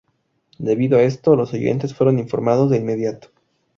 Debido a esto, los oyentes fueron informados de inmediato.